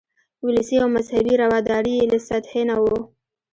ولسي او مذهبي رواداري یې له سطحې نه وه.